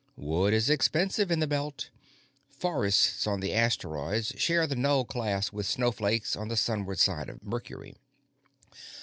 Wood is expensive in the Belt; forests on the asteroids share the null class with snowflakes on the sunward side of Mercury.